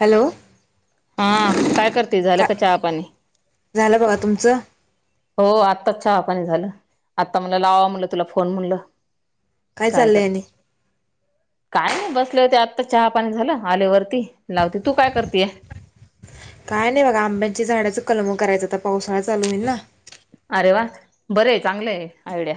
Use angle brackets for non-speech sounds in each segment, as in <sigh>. Hello हा काय करते झालं का काय चहा पाणी झालं - बघा तुमचं हो आत्ताच चहा पाणी झालं आता मला लावा म्हलं तुला फोन म्हणलं. काय चाललंय आणि - काय नाही बसले होते आत्ता चहा पाणी झालं आलेवरती लावती तू काय करतीय. काय नाही बघा आंब्यांच्या झाडाच कलम करायचं आता पावसाळा चालू होईल ना. अरे वा बर आहे चांगलं आहे आयडिया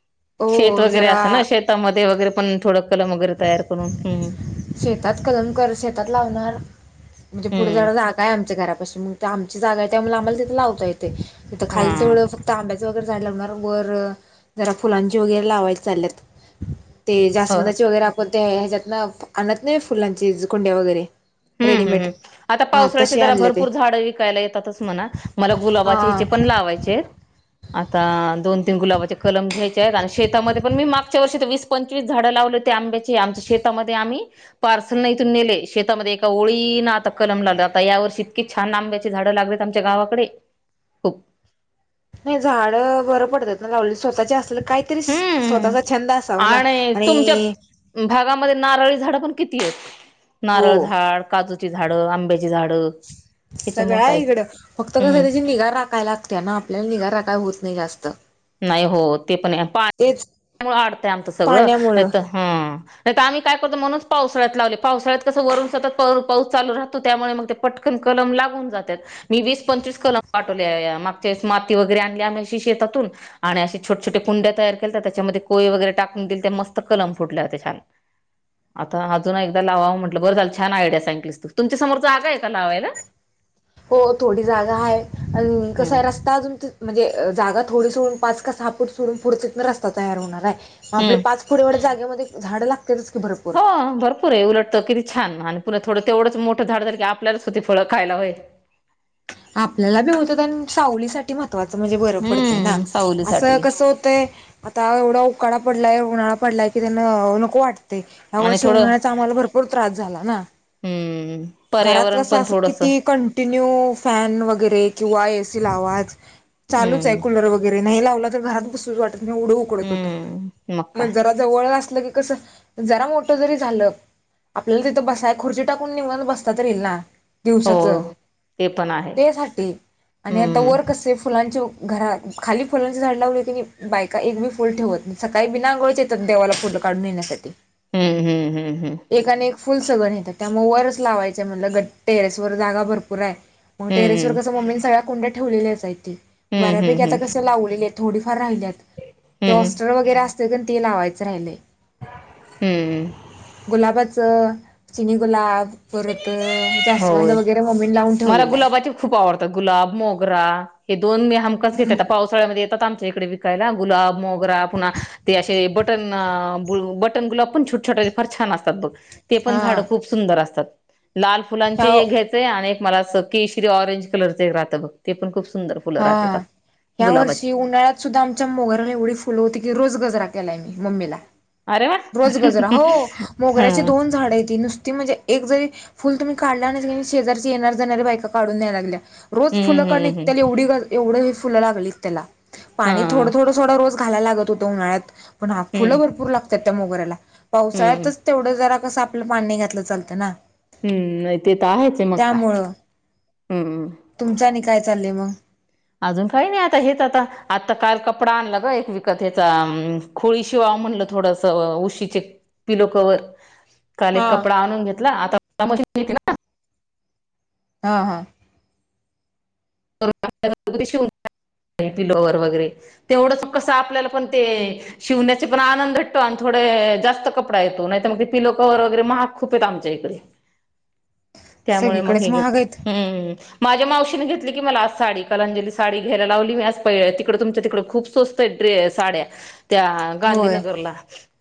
- शेत हो वगैरे असा जरा ना शेतामध्ये वगैरे पण थोडं कलम वगैरे तयार करून हम्म - शेतात कलम कर शेतात लावणार म्हणजे पुढे हम्म जरा जागा आहे आमच्या घरापासून मग आमची जागा आहे त्यामुळे आम्हाला तिथे लावता येते. इथ हा खालीतेवढं फक्त आंब्याचं वगैरे झाड लागणार वर जरा फुलांची वगैरे लावायची चालल्यात! ते हो जास्वंदाचे वगैरे आपण ते ह्याच्यात न आणत नाही फुलांचे कुंड्या वगैरे - रेडी हम्म आता पावसाळ्याचे जरा भरपूर झाड विकायला येतातच म्हणा मला गुलाबाचे हा हिचे पण लावायचे. <unintelligible> आता दोन तीन गुलाबाचे कलम घ्यायचे आहेत आणि शेतामध्ये पण मी मागच्या वर्षी तर वीस पंचवीस झाडं लावलत. आंब्याची आमच्या शेतामध्ये आम्ही पार्सल इथून नेले शेतामध्ये - ओळीन आता कलम लागलं आता या वर्षी इतकी छान आंब्याची झाडं लागलीत आमच्या गावाकडे - हो नाही झाड बरं पडतात ना लावली स्वतःचे असल की - काहीतरी हम्म स्वतःचा छंद असावा ना आणि - भागामध्ये नारळी झाडं पण किती आहेत <inaudible> हो नारळ झाड काजूची झाडं आंब्याची झाडं - सगळ हाय इकडं फक्त कसं त्याची निगा राखयला लागते ना आपल्याला निगाार राखाय होत नाही जास्त - नाही हो ते पण आहे पा तेच - त्यामुळे आडतय आमचं सगळं पाण्यामुळे नाही हां नाही त आम्ही काय करतो म्हणूनच - पावसाळ्यात लावले पावसाळ्यात कसं वरून सतत पाऊस चालू राहतो त्यामुळे मग ते पटकन कलम लागून जात्यात. मी वीस पंचवीस कलम पाठवले या मागच्या वेळीस माती वगैरे आणली आम्याशी शेतातून - आणि असे छोटे -छोटे कुंड्या तयार केल्याात त्याच्यामध्ये कोय वगैरे टाकून देलते त्या मस्त कलम फुटल्या होत्या छान! आता अजून एकदा लावावं म्हटलं बरं झालं छान आयडिया सांगितलीस तू तुमच्या समोरच जागा आहे काय लावायला. हो थोडी जागा आहे आणि कस हम्म आहे रस्ता अजून म्हणजे जागा - थोडी सोडून पाच का सहा फुट सोडून पुढच्यातून रस्ता तयार होणार आहे मग आपले हम्म पाच फुट एवढ्या जागेमध्ये - झाड लागत. हो भरपूर आहे उलटत तर की - हां- हां छान आणि पुन्हा थोडं तेवढंच मोठं झाड झालं की आपल्याच होती फळं खायला होईल. आपल्याला बी होत्यात सावलीसाठी म - महत्वाच म्हणजे बर पडतय ना हम्म असं सावलीसाठी कसं होतय आता एवढा उकाडा पडलाय. उन्हाळा पडलाय की त्यांना नको वाटते या आणि वर्षी थोडं उन्हाळ्याचा आम्हाला भरपूर त्रास झाला ना! हम्म घरात पर्यावरण कस पण अस थोडस किती कंटिन्यू - न्यू फॅन वगैरे किंवा एसी लावाच चालूच हाय हम्म कुलर वगैरे नाही लावला तर - घरात बसूच वाटत नाही एवढ उकडत होत हम्म मग काय जरा जवळत असत. कस जरा मोठ जरी झालं आपल्याला तिथ बसायला खुर्ची टाकून बसा - आता तरी येईल ना! हो दिवसाच ते पण आहे ते साठी आणि आता हम्म वर कसे फुलांचे - घराात खाली फुलांची झाड लावली की नाही बायका एक मी फुल ठेवत नाही सकाळी बिनां आंघोळीच येतात देवाला फुल - काढून येण्यासाठी.. हम्म हम्म हम्म हम्म. फुल सगण येतं त्यामुळे वरच लावायच म्हटलं ग टेरेस वर जागा भरपूर आहे. मग टेरेस वर कस मम्मीनी सगळ्या कोंड्या ठेवले आहे त हम्म हम्म हम्म बऱ्यापैकी आता हम्म कसं लावलेली आहे थोडी.. फार राहिल्यात हम्म ते हम्म हॉस्टर वगैरे असते तरण ते लावायचं राहिले. हम्म गुलाबाच चिनी गुलाब परत.. जास्वंद होय वगैरे मम्मीने लावून मला ठेवलेला आहे गुलाबाचे खूप आवडतं गुलाब मग.. हे दोन मीमच हम्म घेत पावसाळ्या येतात आमच्या इकडे विकायला गुलाब.. व आपण ते असे बटन बटन गुला पण छोट छोट फार छान असतात बघ. ते पण हा झाड खूप सुंदर असतात लाल फुलांचे ह्या हे घ्यायचे आणि.. मला असं कश शरी ऑरेंज कलर एक राहं बघ ते पण खूप.. सुंदर फुलं हा राहतेतात या्या वर्षी गुलाबाचे उन्हाळ्यात सुद्धा आमच्या मोगराला एवढी फुलं होती की रोज गजराते.. त्यासला म मम्मीला. अरे वा रोज गजरा हो हा मोगऱ्याची दोन झाडं आहेत ती नुसती म्हणजे एक जरी.. फुल तुम्ही काढला आणि शेजारची येणार जाणारऱ्या बायका काढून द्या लागल्या. रोज फुलं हम्म का निघ हम्म त्याला हम्म एवढी एवढं फुलं लागली त्याला हा पाणी थोडं थोडं थोडं रोज.. खायला लागत होत उन्हा्यात पण हा फुलं हम्म भरपूर लागतात त्या मोगऱ्याला हम्म पावसाळ्यातच तेवढं.. जरा कस आपलं पाणी घातलं चालतं ना. हम्म ते तर आहेच आहे मग काय त्यामुळं हम्म तुमचानी काय चाललंय मग. अजून काही नाही आता हेच आता आता काल कपडा आणला ग एक विकत हचा खोळी शिवाय.. म्हण थोडस उशीचे पिलो क.. काल एक हा. कपडा आणून घेतला आता मशीन घ ना.. हा हा. <inaudible> पि लोवर वगैरे तेवढंच कस आपल्याला पण ते शिवण्याचे पण आनंद हटतो आण.. थो जास्त कपडा येतो नाही तर मग पिलो कवर वगैरे महाग खूप आहेत आमच्या इकडे. त्यामुळे मग सगळीकडेच हे घ महाग आहेत. हम् माझ्या मावशीने घेत.. की मला आज साडी कलांजली साडी घ्यायला लावली मी आज पहि तिकडं तुमच्या तिकडे खूप स्वस्त ड्र साड्या.. त्या होय गांधीनगरला.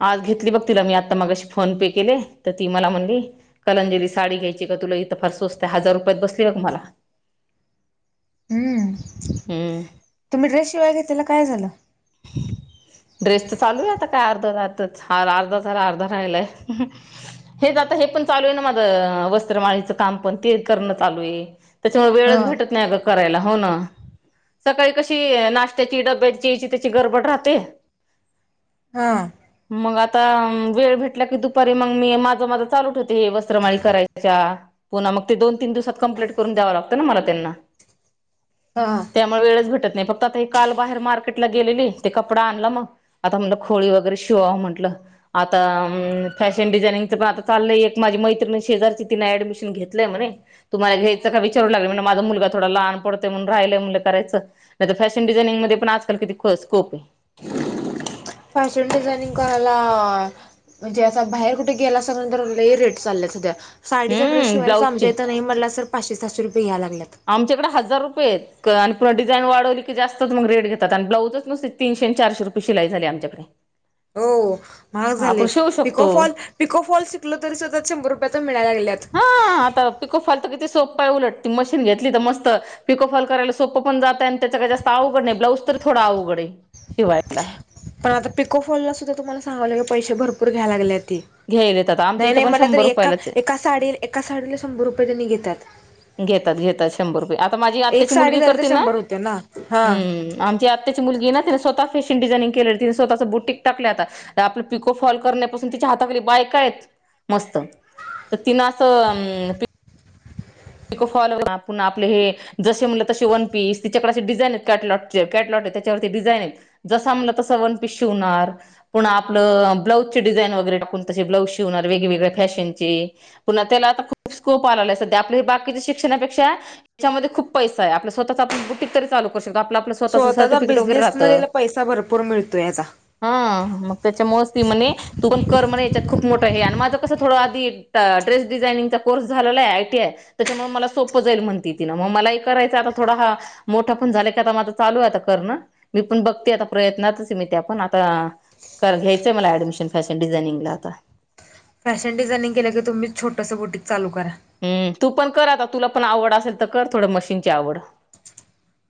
आज घेतली बघ तिला मी आता मागाशी फोन पे केले तर ती मला म्हणली कलंंजली साडी घ्यायची का तुला.. थ फारसोचत हजार रुपयात बसली काु्हाला. ह.. हम्म हम्म तुम्ही ड्रेस शिवाय घेतलेला काय झालं? <inaudible> ड्रेस तर चालू आहे आता काय अर्ध अर्धा झारा अर्धा राहिलाय हेच.. हे पण चालू आहे ना माझं वस्त्रमाळीचं काम पण ते करणं चालू आहे. त्याच्यामुळे हा वेळच भेटत नाही अं करायला हो ना सकाळी कशी नाशत्याची डब्याची.. त्याची गडबड राहते. हा. मग आता वेळ भेटला की दुपारी मग मी माझं माझं चालू ठ होते हे वस्त्रमाळी करायच्या. पुन्हा मग ते दोन तीन दिवसात कं्प्लीट करून द्यावं लागतं ना मला त्यांना. हा त्यामुळे वेळच भटत नाही फक्त आता हे काल बाहेर मार.. गेलेली ते कपड आणला मग आता म्ह खोळी वगैरे शिवा म्हंटलं आता... फॅशन डिझानंगचणता चाललंय माी मैत्री शेजारची ति ऍडमिशन घेतलंय म्हणे तुम्हाला घ्यायच.. विचारू माझा मुला थोा लहान पडण राहि मुलं करायचं नाही तर फॅशन डिझनिंगण... ल क दिखो स्कोप आहे. फॅशन डिझायनिंग करायला म्हणजे आता बाहेर कुठे गेयला असगंतर रेट चाललाय सध्या.. साडीचा ड्रेस हम्म शिवायला ब्लाउजची चांपलं तर नाहीटला सर पाचे सहाशे रुये.. आमच्याकडे हजार रुपये आहेत. पूर्ण डिझईन वाढवली की जास्तच मग रेट घेतात आणि ब्लाउजच नसती तीनशे चारशे रुपयेिई झाली आमच्याकडे हो महाग झाले आपण शिवू शकतो पिकोफॉल पिकोफॉल शिकल तरी सतत शंभर रुपया तर मिळायला लागे हा आता पिको फालतो क सोप्पा आहे उलट ती मशीन घेतली तर मत पिकोफल करायला सोपं पण जातं आणि त्याच्या काही जास्त अवघड नाही ब्लाउ थोडा अवघडे शिवायला पण आता पिकोफोनला सुद्धा तुम्हाला सांगावलं की पैसे भरपूर घ्याय लागले ते घ्यायला येतात आमच्या नाही इथं नाही पण मला तर शंभर एका रुपयालाच आहे एका साडी एका साडीला शंभर रुपये त्यांनी घेतले घेतात घेतात शंभर रुपये आता माझी एक आत्त्याची साडी मुलगी झाली तर करते ना शंभर होते ना हा हम्म आमची आत्त्याची मुलगी ना तिने स्वतः फॅशन डिझानिंग केले तिने स्वतःच बुटीक टाक आता आपला पिको फॉल करण्यापून तिच्या हातातली बायक आहेत मस्त तर तिनं असं फॉलो आपण आपले हे जसे म्हटलं तसे वन पीस तिच्याकडे असे डिझाईन आहेत कॅटलॉगचे कॅटलॉग त्या आप् <inaudible> शिक्ष नापेक्षा <unintelligible> खुप पैसा हाय आपव बुटीक तर चालू करू शकत आप आपलं स्वतःच स्वतःचा सर्टिफिकेट वगैरे बिझनेस राहत मध्ये पैसा भरपूर मिळतो याचा. हा मग त्याच्या मस्ती म्हणे तू पण कर म्हणे याच्यात खूप मोठं आहे आणि माझं कसं थोडं आध ड्रेस डिझायनिंगचा कोर्स झाला आहे आयटीआय त्याच्यामुळे मला सोपं जाईलणते ति नां मग मला हे करायचं आता थोडा मोठा पण झाला क का आ माझं चालू आहेता मी पण बघते आता प्रयत्नातच मी त्या पण आता कर घ्यायचंय मला ऍडमिशन फॅशन डिझायनिंग ला आता फॅशन डझाईिंग केलं क तुम्च छोटसं बुटिक लू करा हम्म तू पण कर आता तुला पण आवड असेल तर कर थोडं मशीनची आवड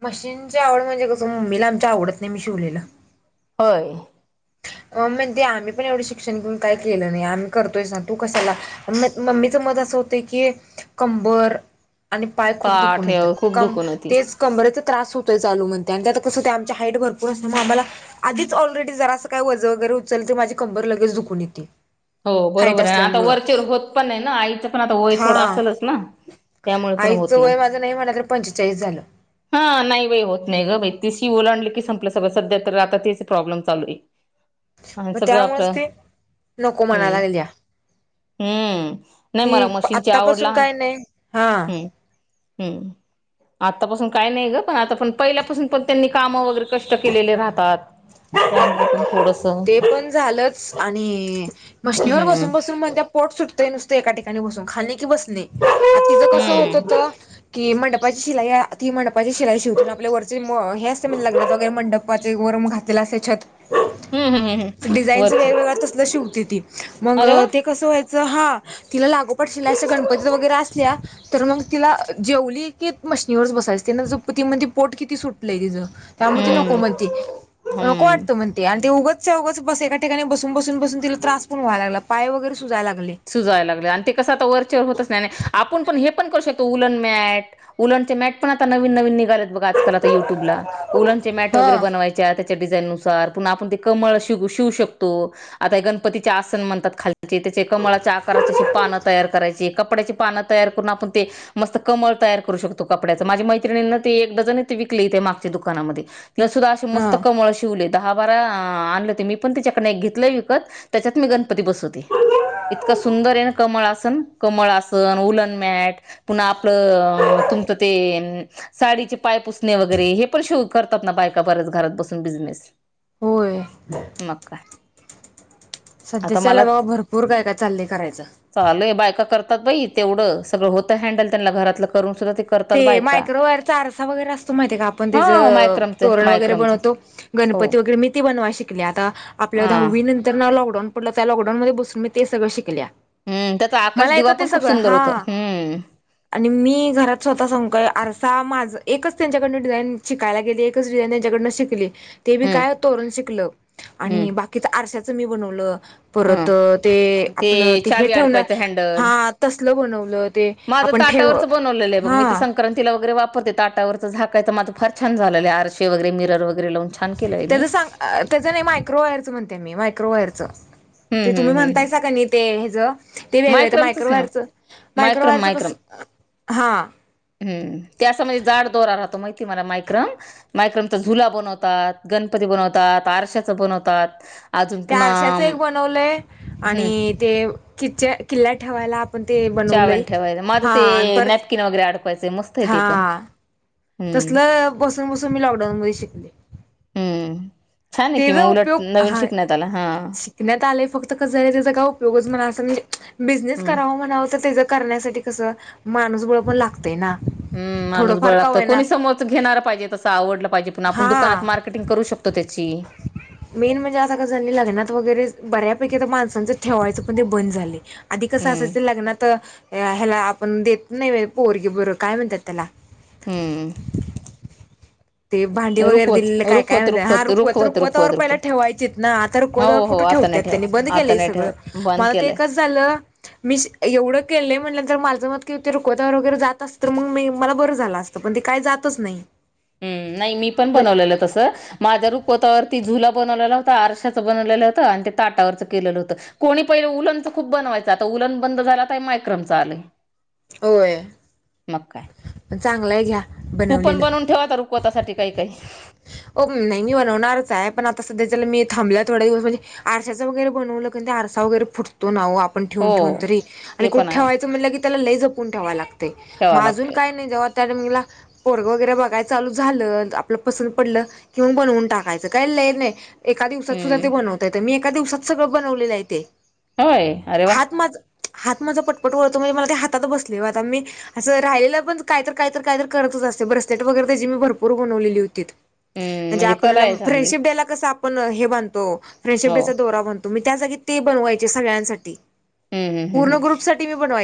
मशीनची आवड म्हणजे कसं मम्मीला आमच्या आवडत नाही मी शिवलेला हो म्हणे आम्ही पण एवढं शिक्षण घेऊन काय केलं नाही आम्ही करतोयस ना तू कशाला म मम्मीच असं होत की कंबर आणि पाय खूप पाठ दुखून हे येतात खूप कम दुखून होती तेच कमरेचा त्रास होतोय चालू म्हणते आणि ते आता कसं ते हाईट भरपूर असल्यामुळे आधीच ऑलरेडी जरास काय वज वगैरे उचल तर माझी कंबर लगेच दुखून येती हो बरोबर आहे आता वरचेर होत पण ना आईचं पण आता वय थोडं हा असेलच ना त्यामुळे पण होत आईचं वय माझं नाही म्हणा पंचेचाळीस झालं हा नाही बाई होत नाही ग बा तेशी ओलांडली की संपलं स सध्या तर आता त्या प्रॉब्लेम चालू आहे. आणि मग सगळं त्यामुळेच आपलं त नको म्हणा हम्म लागली या हम्म नाही मला मशीनची आवड लहान काय नाही हा हम् हम्म आतापासून काय नाही ग पण आता पण पहिल्यापासून पण त्यांनी कामं वगैरे कष्ट केलेले राहत पाथ यामुळे पण थोडस पा ते पण झालंच आणि मशिनीवर हम्म बसून बसून मधेय पोट सुटतंय नसते एका ठिकाणी बसून खाली बसले ति कस होत हम्म होत कि मंडपाची शिलाई आ ती मंडपाची शिलाई शिवतून आपल्या वरचे म हे असते लग्नात वगैरे मंडपाचे गै मग घातले हम्म हम्म हम्म डिझाईन वरच वेगवेगळयातल शिव देतिल मग अरे वा ते कस व्हायचं हा तिला लागोपाठ शिलाई गणपती वगैरे असल्या तर मग तिला जेवली की मशिनीवरस बसायचं ना त ती म्हणे पोट किती सुटलंय तिचं. त्यामुळे नको हम्म म्हणते नको हम्म वाटत म्हणते आणि ते उग च बस एका ठिकाणी बसून बसून बस तिला त्रास पण व्हाय लागला पाय वगैर सुजायला लागले आणि ते कसं आता वरचेवर होतच नाही आपण पण हे आपण पण करू शकतो उलन मॅट उलन चे मॅट पण आता नवीन नवीन आता परत बघ आज-कालयुट्युब ला ऊलनचे मॅट हा बनवायचे आहे आता डाआपण कम श शकतो आ गणपतीन म्हणतात खा त्या कमळाच्या आकाराचीशी पानं तयार करायची कपड्याची पानं तयार करून आपण ते मस्त कमळ तयार करू शकतो. कपड्याचा माझी मैत्रिणीं ते एकडजन विकली इथे मागच्या दुकानामध्ये यशोदा अशी मस्त हा कमळ शिवलेत. दहा बारा आणलं ते मी पण त्यािच्याकड एक घेतलं विकत त्याच्यात मी गणपती बसवते. इतका सुंदर आहे ना कमळसन कमळासन उलनमॅट पुन्हा आपलं तुमचं ते साडीचे पाय पुसणे वगैरे हे पण शिऊन करतात ना बायका बरच घरात बसून बिझनेस होय. मग काय आता सध्याच्याला मला बाबा भरपूर काय काय चाललेय करायचं चालू आहे बायका करतात बयी तेवढं सगळं होत हडल त्यां घरातलं करून सुद्धा करतात ते बायका मायक्रोवेरचा आरसा वगैरे असतो माहितीय का आपण त्याच हो मायक्रमचं तोरण वगैरे मायक्रमचं बनवतो ग हो गणपती वगैरे मी ते बनवाय शिकले आता आपल्या हा दहावी नंतर ना लॉकडाऊन महटलं त्या लॉकडाऊन बसून मग ते सगळं शिकल्या हम्म त्याचा आकाश मला दिवा येतं ते पण खूप सगळं सुंदर हा होतं हम्म आणि मी घरात ह आरसा माझं एकच त्यांच्याडं डिझाईन शिकायला गेले एकच डिझाईन त्यांच्याकडनं शिकले. ते मी हम्म काय तोरण शिकल हम्म आणि बाकीच आरश्याच मी बनवलं हा परत ते आपण ते हे चावी ठेवणार अडकवायचं हँडल हा तसलं बनवलं ते आपण ठेव आपल्या बघ मी हा संक्रांतीला वगैरे वापरते ताटावरचं झाकायच माझ फार छान झालंले आरशे वगैरे मिरर वगै त्याच सांग त्याच नाही मायक्रोवायरच म्हणते मी मायक्रोवायरच हम्म ते तुम्ही हम्म हम्म हम्म म्हणतायसा कानी ते ह ज ते वेगळं तर मायक्रमचंच ना मायक्रोवरचं मायक्रम मायक्रोवरचं मायक्रम कसं हा हम्म त्याचा म्हणजे जाड दोरा राहतो माहिती मला मायक्रम मायक्रमचा झुला बनवतात गणपती बनवतात आरश्याच बनवतात. अजून त्या पुन्हा आरश्याच एक बनवलंय हम्म आणि ते किचच्या किल्ल्या ठेवायला ते चाबयान बनवलंय ठेवायच माझं ते हा परत नॅपकिन वगैरे अडकवायचे मस्त आहे ते पण हम्म तसल बसून बसून मी लॉकडाऊन मध्ये शिकले. हम्म छान आहे कि त्याचा मग उलट उपयोग नवीन हा शिकण्यात आला हा शिकण्यात आलंय फक्त कस आहे त्याचा काय उपयोगच म्हण असं म्हणज बिझनेस हम्म कराव म्हणावं तर त्याचं करण्यासाठी कसं माणूसबळ पण लागतय ना? हम्म. माणूस थोडंफार बळ का लागतं होईना कोणी समोरच घेणार पाहिजे, तसं आवडलं पाहिजे पण आपण दुकानात हा मार्केटिंग करू शकतो त्याची. मेन म्हणजे आता कसं झालंय, लग्नात वगैरे बऱ्यापैकी तर माणसांचं ठेवायचं पण ते बंद झालय, आधी कसं हम्म असायच लग्नात ह्याला आपण देत नाही पोरगी बर काय म्हणतात त्याला? हम्म ते भांडी वगैरे रुखवत दिलेलं काय काय रुखवत म्हण हा रुखवत रु रुखवत रुखवतावर रुखवत पहिला रुखवत ठेवायचेत ना आता रुखवतावर हो हो कुठे आता ठेवत्यात नाही त्यांनी ठेवत बंद आता केलं नाही सगळं ठेवत बंद मला तर केलंय एकच झालं मी एवढं केले म्हटलं नंतर माझं मत रुखवतावर वगैरे जात असत, तर मग म मला बरं झालं असतं पण ते काही जातच नाही. हम्म. नाही मी पण बनवलेलं तस माझा कोतावरती झुला बनवलेला होता, आरशाच बनवलेलं होत आणि ते ताटावरच केलेलं होतं कोणी पहिलं उलन खूप बनवायच आता उलन बंद झाला मायक्रोमच आलय. होय. मक्का. चांगलंय घ्या. तू पण बनवलेलं बनवून ठेवाता रुकवतासाठी काही काही. हो नाही बनवणारच आहे, पण आता सध्या चला मी थांबलं थोड दिवस म्हणजे आरश्याच वगैरे बनवलं आरसा वगैर फुटतो नाओ. आपण ठेवून हो ठेवून तरी आणि ते कोठ पण आहे ठेवायचं म्हणलं कि त्याला लई जपून ठेवा ला ठेवावं अजून लागतंय काय नाही, जेव्हा त्याला पोरग वगैरे बघाय चालू झालं आपल पस पडल की बनवून टाकायचं काही नाही एका दिवसात सुद्धा हम्म ते बनवता येत मी एका दिवसात सगळं बनवलेलं आहे ते? होय. अरे वा. हात माझा हात माझा पटपट वळत म्हणजे मला ते हातात बसले आता मी असं राहिलेलं पण काय तर, काय तर, काय तर कर तुझं असलं ब्रेसलेट वगैरे तशी मी भरपूर बनवलेली होती हं म्हणजे कला आपल्याला आहे चांगली. फ्रेंडशिप डे ला कसं पण हे बनतो फ्रेंडशिप हो. डे चा दौरा बनतो मी त्या जागी ते बनवायचे सगळ्यांसाठी. हं, हं, हं, हं. पूर्ण ग्रुप साठी मी बनवाय